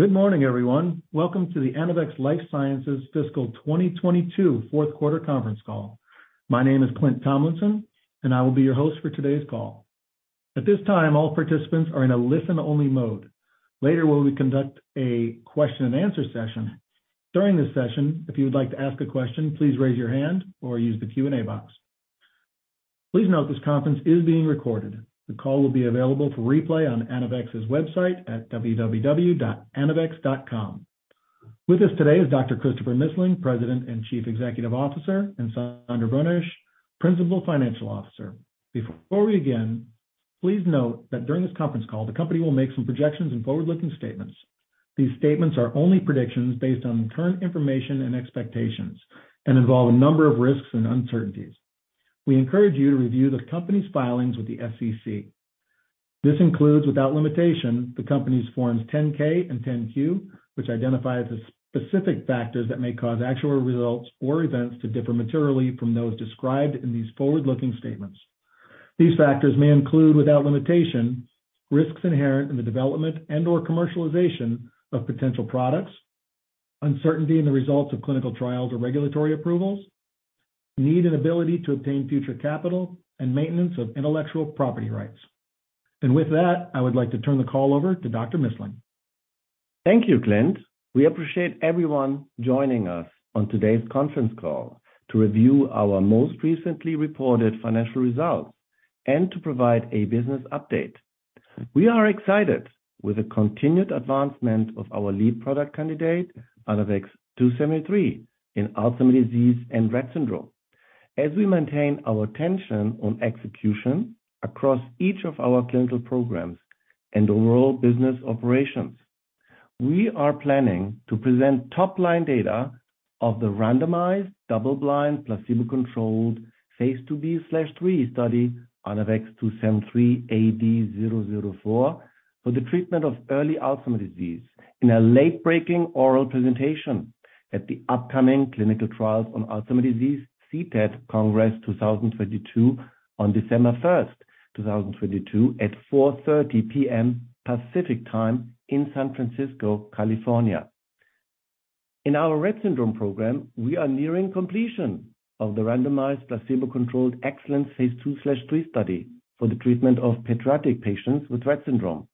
Good morning, everyone. Welcome to the Anavex Life Sciences Fiscal 2022 fourth quarter conference call. My name is Clint Tomlinson, and I will be your host for today's call. At this time, all participants are in a listen-only mode. Later, we will conduct a question and answer session. During this session, if you would like to ask a question, please raise your hand or use the Q&A box. Please note this conference is being recorded. The call will be available for replay on Anavex's website at www.anavex.com. With us today is Dr. Christopher Missling, President and Chief Executive Officer, and Sandra Boenisch, Principal Financial Officer. Before we begin, please note that during this conference call, the company will make some projections and forward-looking statements. These statements are only predictions based on current information and expectations and involve a number of risks and uncertainties. We encourage you to review the company's filings with the SEC. This includes, without limitation, the company's forms 10-K and 10-Q, which identifies the specific factors that may cause actual results or events to differ materially from those described in these forward-looking statements. These factors may include, without limitation, risks inherent in the development and/or commercialization of potential products, uncertainty in the results of clinical trials or regulatory approvals, need and ability to obtain future capital, and maintenance of intellectual property rights. With that, I would like to turn the call over to Dr. Missling. Thank you, Clint. We appreciate everyone joining us on today's conference call to review our most recently reported financial results and to provide a business update. We are excited with the continued advancement of our lead product candidate, ANAVEX 2-73, in Alzheimer's disease and Rett syndrome, as we maintain our attention on execution across each of our clinical programs and overall business operations. We are planning to present top-line data of the randomized double-blind placebo-controlled phase II-B/III study, ANAVEX2-73-AD-004, for the treatment of early Alzheimer's disease in a late-breaking oral presentation at the upcoming Clinical Trials on Alzheimer's Disease, CTAD Congress 2022 on December 1, 2022, at 4:30 P.M. Pacific Time in San Francisco, California. In our Rett syndrome program, we are nearing completion of the randomized placebo-controlled EXCELLENCE phase II/III study for the treatment of pediatric patients with Rett syndrome.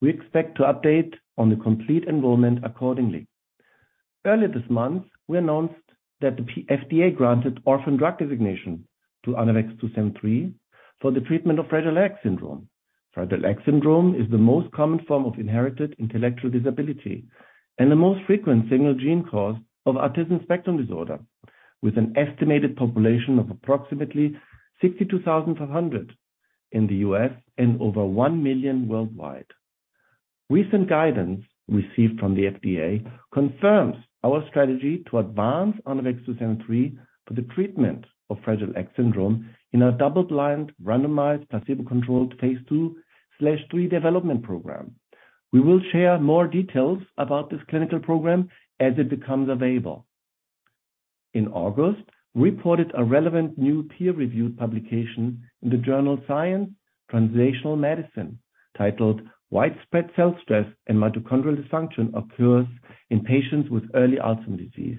We expect to update on the complete enrollment accordingly. Earlier this month, we announced that the FDA granted Orphan Drug Designation to ANAVEX 2-73 for the treatment of fragile X syndrome. Fragile X syndrome is the most common form of inherited intellectual disability and the most frequent single gene cause of autism spectrum disorder, with an estimated population of approximately 62,500 in the U.S. and over one million worldwide. Recent guidance received from the FDA confirms our strategy to advance ANAVEX 2-73 for the treatment of fragile X syndrome in a double-blind, randomized, placebo-controlled phase II/III development program. We will share more details about this clinical program as it becomes available. In August, we reported a relevant new peer-reviewed publication in the journal Science Translational Medicine, titled Widespread Cell Stress and Mitochondrial Dysfunction Occurs in Patients with Early Alzheimer's disease.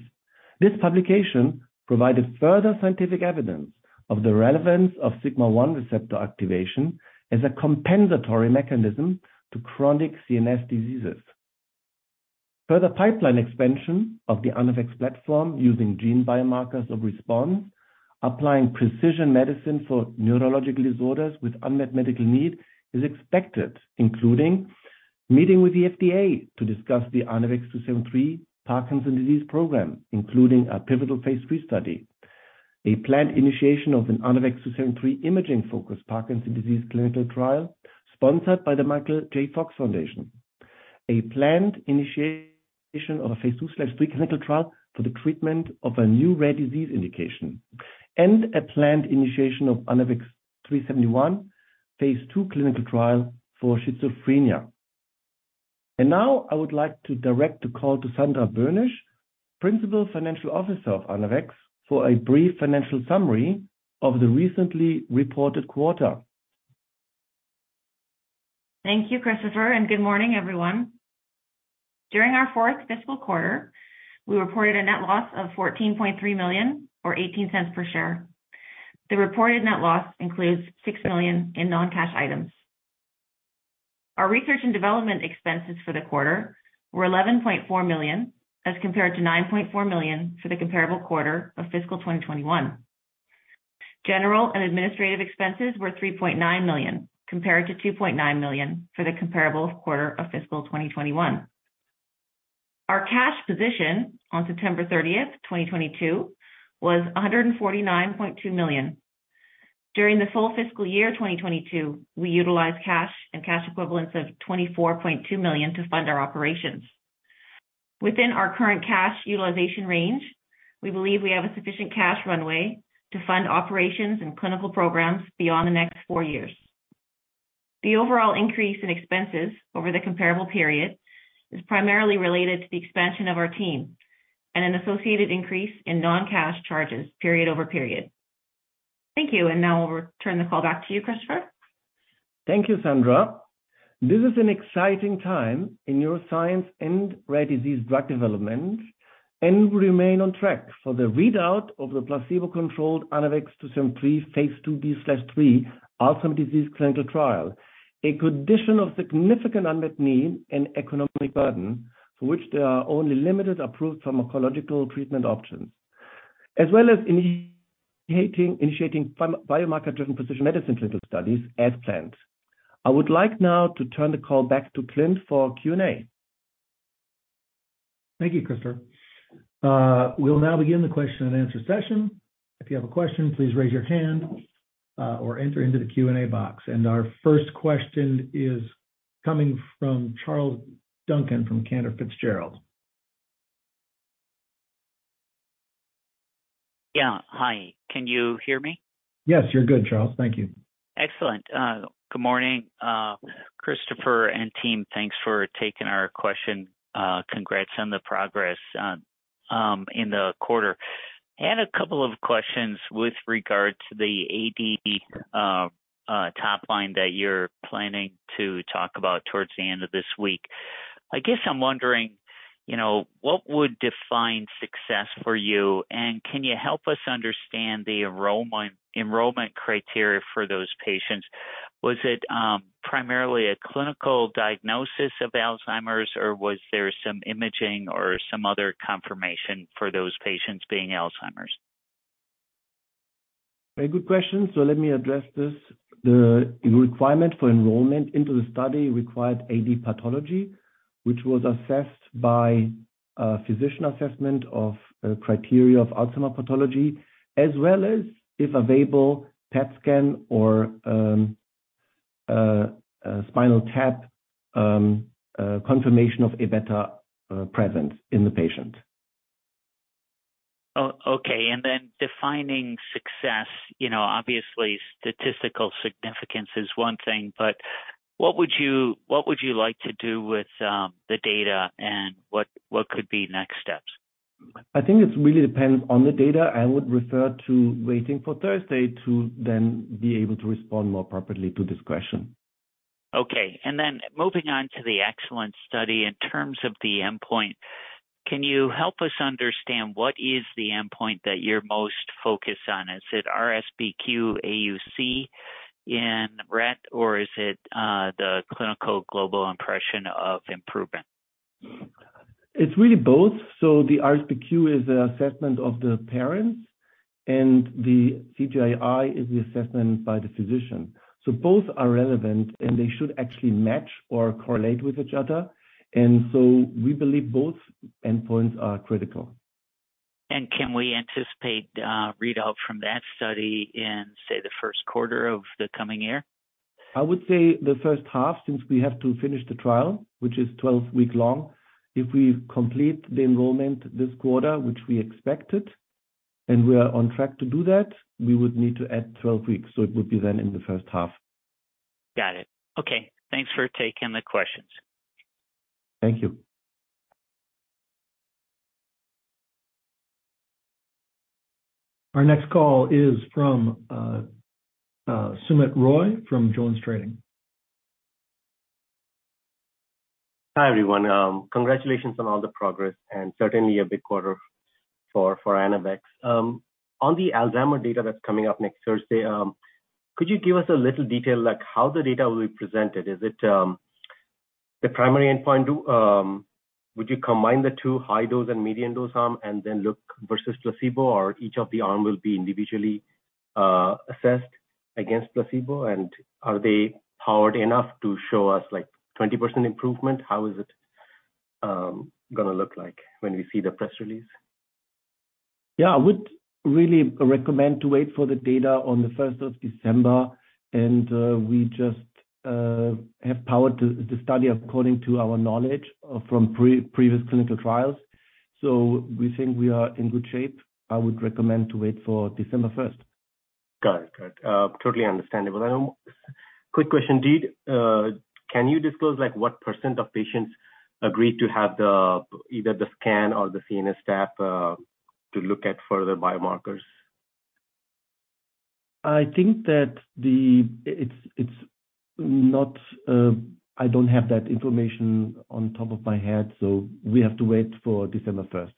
This publication provided further scientific evidence of the relevance of sigma-1 receptor activation as a compensatory mechanism to chronic CNS diseases. Further pipeline expansion of the Anavex platform using gene biomarkers of response, applying precision medicine for neurological disorders with unmet medical need is expected, including meeting with the FDA to discuss the ANAVEX 2-73 Parkinson's disease program, including a pivotal phase III study, a planned initiation of an ANAVEX 2-73 imaging-focused Parkinson's disease clinical trial sponsored by The Michael J. Fox Foundation, a planned initiation of a phase II/III clinical trial for the treatment of a new rare disease indication, and a planned initiation of ANAVEX 3-71 phase II clinical trial for schizophrenia. Now I would like to direct the call to Sandra Boenisch, Principal Financial Officer of Anavex, for a brief financial summary of the recently reported quarter. Thank you, Christopher. Good morning, everyone. During our fourth fiscal quarter, we reported a net loss of $14.3 million or $0.18 per share. The reported net loss includes $6 million in non-cash items. Our research and development expenses for the quarter were $11.4 million as compared to $9.4 million for the comparable quarter of fiscal 2021. General and administrative expenses were $3.9 million, compared to $2.9 million for the comparable quarter of fiscal 2021. Our cash position on September 30, 2022, was $149.2 million. During the full fiscal year 2022, we utilized cash and cash equivalents of $24.2 million to fund our operations. Within our current cash utilization range, we believe we have a sufficient cash runway to fund operations and clinical programs beyond the next four years. The overall increase in expenses over the comparable period is primarily related to the expansion of our team and an associated increase in non-cash charges period-over-period. Thank you. Now we'll return the call back to you, Christopher. Thank you, Sandra. This is an exciting time in neuroscience and rare disease drug development, and we remain on track for the readout of the placebo-controlled ANAVEX 2-73 phase II-B/3 Alzheimer's disease clinical trial. A condition of significant unmet need and economic burden for which there are only limited approved pharmacological treatment options. As well as initiating biomarker-driven precision medicine clinical studies as planned. I would like now to turn the call back to Clint for Q&A. Thank you, Christopher. We'll now begin the question and answer session. If you have a question, please raise your hand or enter into the Q&A box. Our first question is coming from Charles Duncan from Cantor Fitzgerald. Yeah. Hi. Can you hear me? Yes, you're good, Charles. Thank you. Excellent. Good morning, Christopher and team. Thanks for taking our question. Congrats on the progress in the quarter. Had a couple of questions with regard to the AD topline that you're planning to talk about towards the end of this week. I guess I'm wondering, you know, what would define success for you, and can you help us understand the enrollment criteria for those patients? Was it primarily a clinical diagnosis of Alzheimer's, or was there some imaging or some other confirmation for those patients being Alzheimer's? Very good question. Let me address this. The requirement for enrollment into the study required AD pathology, which was assessed by a physician assessment of criteria of Alzheimer's disease pathology, as well as, if available, PET scan or spinal tap confirmation of Aβ presence in the patient. Okay. Then defining success, you know, obviously statistical significance is one thing, but what would you like to do with the data, and what could be next steps? I think it really depends on the data. I would refer to waiting for Thursday to then be able to respond more appropriately to this question. Okay. Moving on to the EXCELLENCE study. In terms of the endpoint, can you help us understand what is the endpoint that you're most focused on? Is it RSBQ AUC in Rett or is it the Clinical Global Impression of Improvement? It's really both. The RSBQ is the assessment of the parents and the CGI is the assessment by the physician. Both are relevant, and they should actually match or correlate with each other. We believe both endpoints are critical. Can we anticipate, readout from that study in, say, the first quarter of the coming year? I would say the first half, since we have to finish the trial, which is 12-week long. If we complete the enrollment this quarter, which we expected, and we are on track to do that, we would need to add 12 weeks. It would be then in the first half. Got it. Okay. Thanks for taking the questions. Thank you. Our next call is from, Soumit Roy from JonesTrading. Hi, everyone. Congratulations on all the progress and certainly a big quarter for Anavex. On the Alzheimer data that's coming up next Thursday, could you give us a little detail, like how the data will be presented? Is it the primary endpoint? Would you combine the two high dose and median dose arm and then look versus placebo, or each of the arm will be individually assessed against placebo? Are they powered enough to show us, like, 20% improvement? How is it gonna look like when we see the press release? Yeah. I would really recommend to wait for the data on the first of December. We just have powered the study according to our knowledge from previous clinical trials. We think we are in good shape. I would recommend to wait for December first. Got it. Got it. Totally understandable. Quick question, can you disclose, like, what % of patients agreed to have the, either the scan or the CNS tap, to look at further biomarkers? I think that It's not, I don't have that information on top of my head, so we have to wait for December first.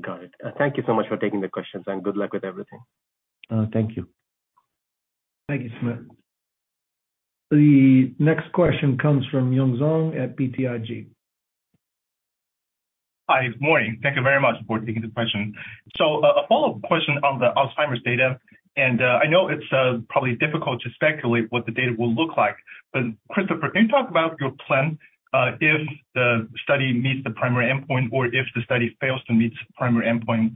Got it. Thank you so much for taking the questions. Good luck with everything. Thank you. Thank you, Sumit. The next question comes from Yun Zhong at BTIG. Hi. Morning. Thank you very much for taking the question. A follow-up question on the Alzheimer's data. I know it's probably difficult to speculate what the data will look like. Christopher, can you talk about your plan if the study meets the primary endpoint or if the study fails to meet primary endpoint,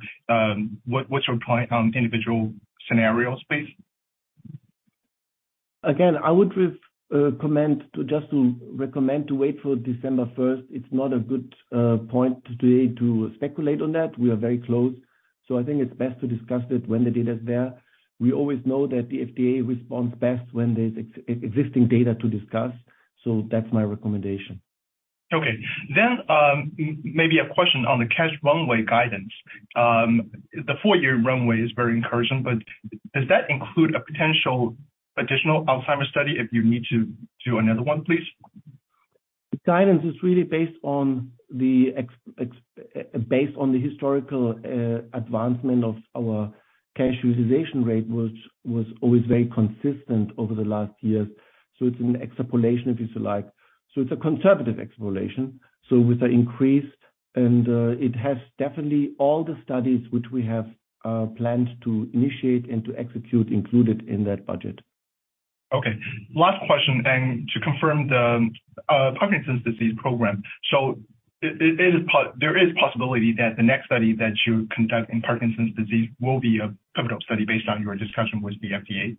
what's your plan on individual scenarios base? Again, I would comment to recommend to wait for December first. It's not a good point today to speculate on that. We are very close. I think it's best to discuss it when the data is there. We always know that the FDA responds best when there's existing data to discuss. That's my recommendation. Okay. Maybe a question on the cash runway guidance. The four-year runway is very encouraging, but does that include a potential additional Alzheimer's study if you need to do another one, please? The guidance is really based on the historical advancement of our cash utilization rate, which was always very consistent over the last years. It's an extrapolation, if you like. It's a conservative exploration. With the increase and it has definitely all the studies which we have planned to initiate and to execute included in that budget. Last question to confirm the Parkinson's disease program. There is possibility that the next study that you conduct in Parkinson's disease will be a clinical study based on your discussion with the FDA?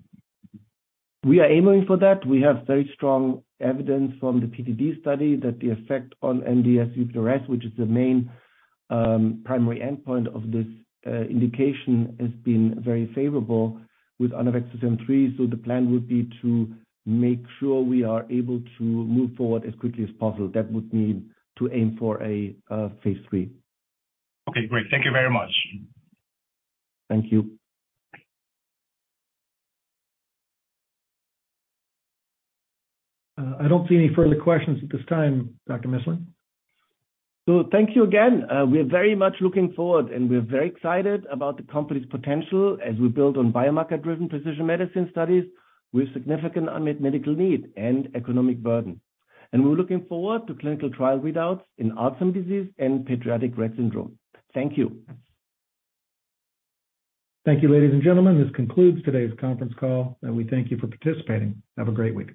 We are aiming for that. We have very strong evidence from the PDD study that the effect on MDS-UPDRS, which is the main primary endpoint of this indication, has been very favorable with ANAVEX 2-73. The plan would be to make sure we are able to move forward as quickly as possible. That would mean to aim for a phase III. Okay, great. Thank you very much. Thank you. I don't see any further questions at this time, Dr. Missling. Thank you again. We are very much looking forward, and we're very excited about the company's potential as we build on biomarker-driven precision medicine studies with significant unmet medical need and economic burden. We're looking forward to clinical trial readouts in Alzheimer's disease and pediatric Rett syndrome. Thank you. Thank you, ladies and gentlemen. This concludes today's conference call, and we thank you for participating. Have a great week.